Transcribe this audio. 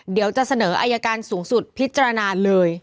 เดี๋ยวจะเสนออายการสูงสุดพิจารณาเลย